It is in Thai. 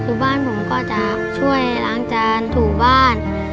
คือบ้านผมก็จะช่วยล้างจานถูบ้าน